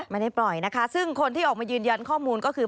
ไม่ได้ปล่อยนะคะซึ่งคนที่ออกมายืนยันข้อมูลก็คือ